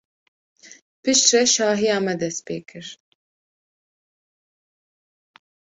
Piştre şahiya me dest pê kir.